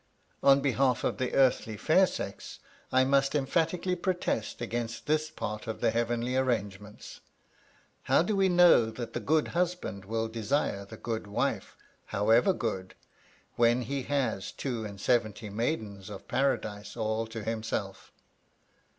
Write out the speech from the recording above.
On behalf of the earthly fair sex, I must emphatically protest against this part of the heavenly arrangements. How do we know that the good husband will desire the good wife, however good, when he has two and seventy maidens of Paradise all to himself?